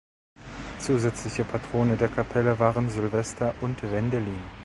Zusätzliche Patrone der Kapelle waren Sylvester und Wendelin.